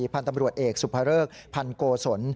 พันธุ์ตำรวจเอกสุภเริกพันโกศล